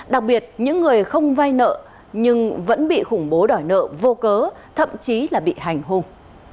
đặc biệt những người không vay nợ nhưng vẫn bị khủng bố đòi nợ vô cớ thậm chí là bị hành hung